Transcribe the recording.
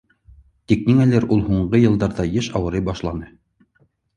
Тик ниңәлер ул һуңғы йылдарҙа йыш ауырый башланы.